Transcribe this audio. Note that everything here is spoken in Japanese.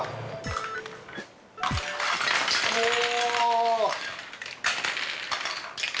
おお！